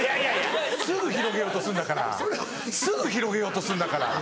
すぐ広げようとするんだからすぐ広げようとするんだから。